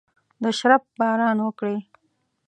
د شرپ باران وکړي